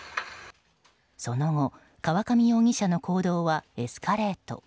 その後、河上容疑者の行動はエスカレート。